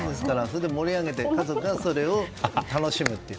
盛り上げて家族がそれを、楽しむという。